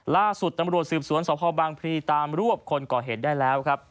ล่าสุดตำรวจสืบสวนสพบางพลีตามรวบคนก่อเหตุได้แล้วครับ